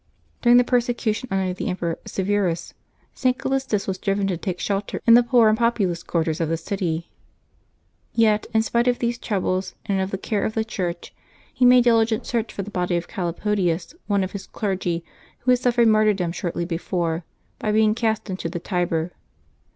During the persecution under the Emperor Severus, .St. Callistus was driven to take shelter in the poor and populous quar ters of the city; yet, in spit^ of these troubles, and of the care of the Church, he made diligent search for the body of Calipodius, one of his clergy who had suffered martyr dom shortly before, by being cast into the Tiber.